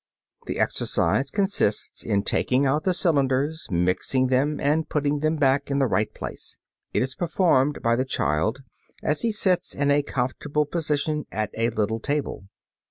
The exercise consists in taking out the cylinders, mixing them and putting them back in the right place. It is performed by the child as he sits in a comfortable position at a little table.